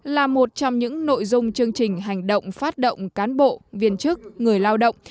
là một trong những nội dung chương trình hành động phát động cán bộ viên chức người lao động